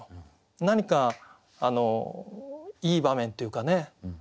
何かいい場面というかね